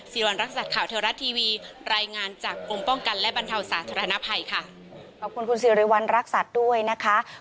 สีรีวันรัศจัดข่าวเถรัฐทีวีรายงานจากโบรพกัลและบันเทาสรรคภัณฑายค่ะ